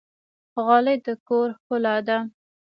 غالۍ د کور ښکلا ده